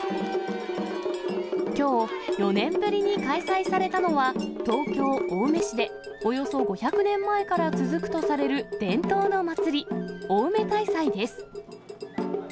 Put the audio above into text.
きょう、４年ぶりに開催されたのは、東京・青梅市で、およそ５００年前から続くとされる伝統の祭り、青梅大祭です。